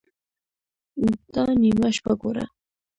_دا نيمه شپه ګوره!